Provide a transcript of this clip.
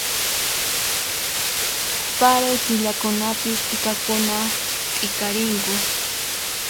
Paray killakunapi t'ikakuna t'ikarinku